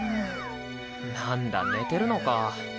なんだ寝てるのか。